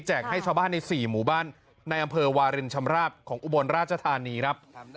ให้ชาวบ้านใน๔หมู่บ้านในอำเภอวารินชำราบของอุบลราชธานีครับ